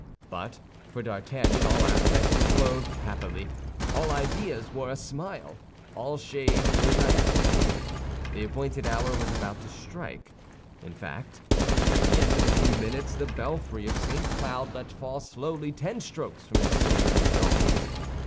But for D'Artagnan all aspects were clothed happily, all ideas wore a smile, all shades were diaphanous. The appointed hour was about to strike. In fact, at the end of a few minutes the belfry of St. Cloud let fall slowly ten strokes from its sonorous jaws.